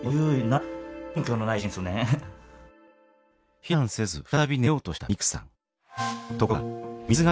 避難せず再び寝ようとしたみくさん。